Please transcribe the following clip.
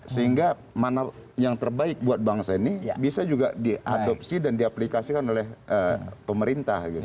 sehingga mana yang terbaik buat bangsa ini bisa juga diadopsi dan diaplikasikan oleh pemerintah